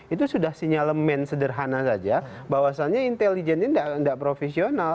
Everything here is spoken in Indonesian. itu sudah sinyalemen sederhana saja bahwasannya intelijen ini tidak profesional